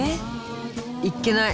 いっけない！